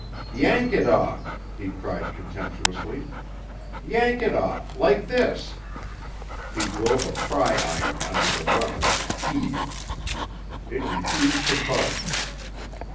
"Yank it off!" he cried contemptuously. "Yank it off—like this." He drove a pry iron under the runner and heaved. It refused to budge.